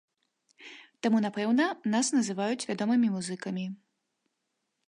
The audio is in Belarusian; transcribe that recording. Таму, напэўна, нас называюць вядомымі музыкамі.